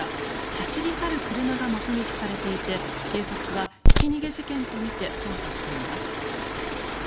走り去る車が目撃されていて警察はひき逃げ事件とみて捜査しています。